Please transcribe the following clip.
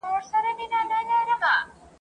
دکلو تږي درې به `